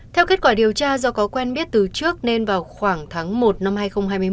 theo kết quả điều tra do có quen biết từ trước nên vào khoảng tháng một năm hai nghìn hai mươi một